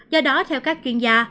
do đó theo các chuyên gia